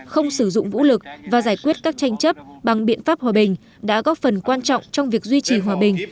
không sử dụng vũ lực và giải quyết các tranh chấp bằng biện pháp hòa bình đã góp phần quan trọng trong việc duy trì hòa bình